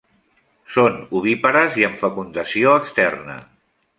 Són ovípares i amb fecundació externa.